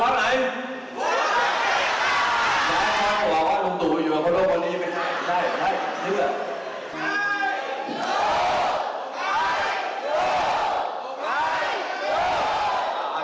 อื่นไม่ได้ไม่ได้ได้